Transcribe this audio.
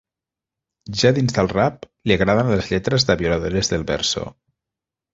Ja dins del rap, li agraden les lletres de Violadores del verso.